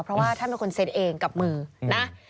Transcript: เพราะว่าท่านเป็นคนเซ็ตเองกับมือนะ